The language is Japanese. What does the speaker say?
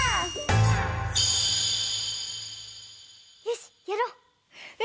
よしやろう。